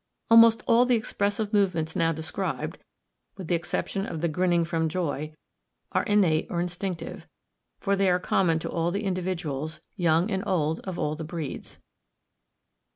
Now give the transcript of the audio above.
Almost all the expressive movements now described, with the exception of the grinning from joy, are innate or instinctive, for they are common to all the individuals, young and old, of all the breeds.